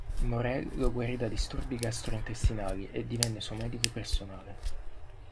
Morell lo guarì da disturbi gastrointestinali e divenne suo medico personale.